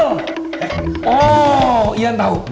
oh ian tahu